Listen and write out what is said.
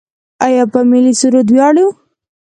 آیا په ملي سرود ویاړو؟